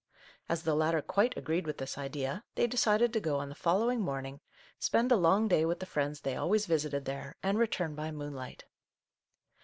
As the latter quite agreed with this idea, they decided to go on the fol lowing morning, spend a long day with the friends they always visited there, and return by moonlight.